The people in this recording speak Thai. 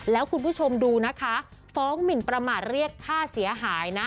แล้วคุณผู้ชมดูนะคะฟ้องหมินประมาทเรียกค่าเสียหายนะ